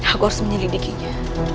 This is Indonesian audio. aku harus menyelidikinya